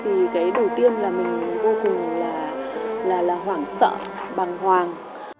thì cái đầu tiên là mình vô cùng là hoảng sợ bàng hoàng